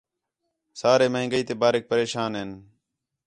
سارے مہنگائی تے باریک پریشان ھین